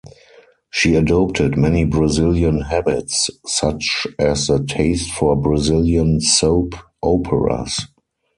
She adopted many Brazilian habits, such as the taste for Brazilian soap operas.